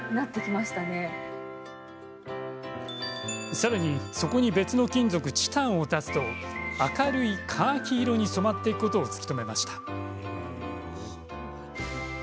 さらに、そこに別の金属チタンを足すと明るいカーキ色に染まっていくことを突き止めました。